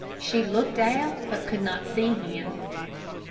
She looked out, but could not see him.